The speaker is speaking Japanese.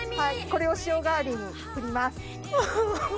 これを塩代わりに振ります。